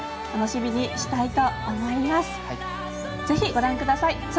ぜひご覧ください。